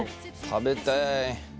食べたい。